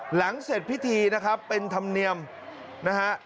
หลังเสร็จพิธีนะครับเป็นธรรมเนียมนะฮะ